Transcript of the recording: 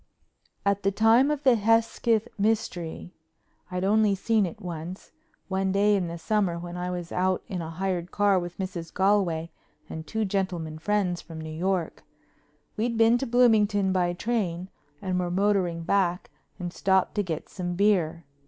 At the time of the Hesketh mystery I'd only seen it once, one day in the summer when I was out in a hired car with Mrs. Galway and two gentlemen friends from New York. We'd been to Bloomington by train and were motoring back and stopped to get some beer.